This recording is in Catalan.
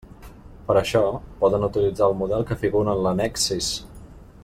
Per a això, poden utilitzar el model que figura en l'annex sis.